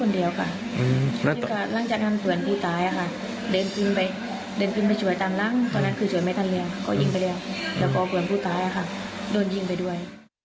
โดนยิงไปด้วย